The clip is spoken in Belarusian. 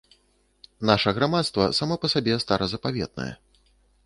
Наша грамадства само па сабе старазапаветнае.